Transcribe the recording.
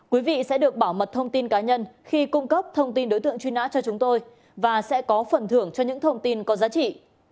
quý vị sẽ được bảo mật thông tin cá nhân khi cung cấp thông tin đối tượng truy nã cho chúng tôi và sẽ có phần thưởng cho những thông tin có giá trị